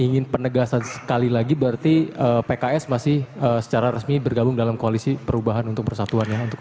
ingin penegasan sekali lagi berarti pks masih secara resmi bergabung dalam koalisi perubahan untuk persatuannya